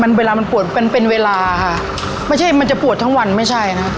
มันเวลามันปวดเป็นเป็นเวลาค่ะไม่ใช่มันจะปวดทั้งวันไม่ใช่นะ